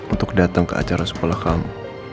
untuk datang ke acara sekolah kamu